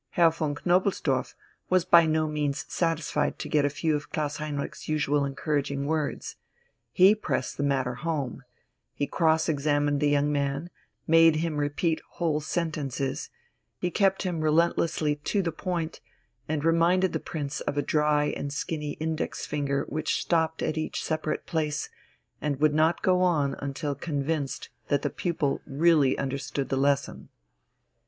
Herr von Knobelsdorff was by no means satisfied to get a few of Klaus Heinrich's usual encouraging words; he pressed the matter home, he cross examined the young man, made him repeat whole sentences; he kept him relentlessly to the point, and reminded the Prince of a dry and skinny index finger which stopped at each separate place and would not go on until convinced that the pupil really understood the lesson.